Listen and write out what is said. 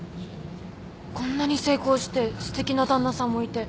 こんなに成功してすてきな旦那さんもいて。